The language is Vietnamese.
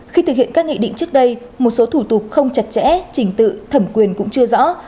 khi thực hiện các nghị định trước đây một số thủ tục không chặt chẽ trình tự thẩm quyền cũng chưa rõ